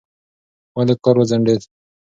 ولې کار وځنډېد؟